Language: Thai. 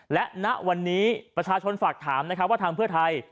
และณวันนี้ประชาชนฝากถามนะครับว่าทางเพื่อไทย